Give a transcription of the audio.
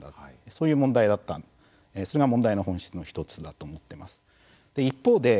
そういう問題だったそれが問題の本質の１つだと思っています。